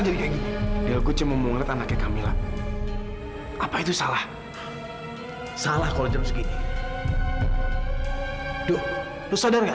dibujuk laras gak bisa